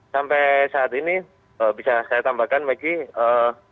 sampai saat ini bisa saya tambahkan maggie